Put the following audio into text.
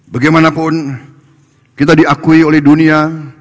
bagaimanapun kita diakui oleh dunia